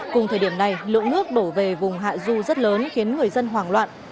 cùng thời điểm này lượng nước đổ về vùng hạ du rất lớn khiến người dân hoảng loạn